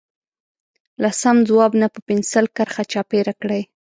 له سم ځواب نه په پنسل کرښه چاپېره کړئ.